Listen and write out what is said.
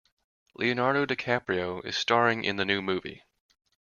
Leonardo DiCaprio is staring in the new movie.